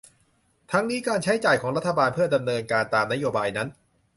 ทั้งนี้การใช้จ่ายของรัฐบาลเพื่อดำเนินการตามนโยบายนั้น